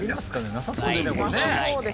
なさそうですよね。